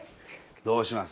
どうします？